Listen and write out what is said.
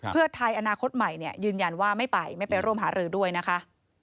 เพื่อไทยอนาคตใหม่ยืนยันว่าไม่ไปไม่ไปร่วมหารือด้วยนะคะ